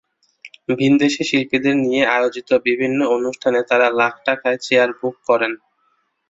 ভিনদেশি শিল্পীদের নিয়ে আয়োজিত বিভিন্ন অনুষ্ঠানে তাঁরা লাখ টাকায় চেয়ার বুক করেন।